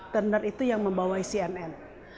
turner itu yang membawai cnn